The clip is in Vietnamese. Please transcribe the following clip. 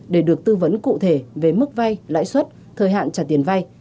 để được tư vấn cụ thể về mức vay lãi suất thời hạn trả tiền vay